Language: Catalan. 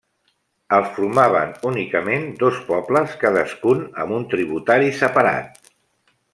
El formaven únicament dos pobles cadascun amb un tributari separat.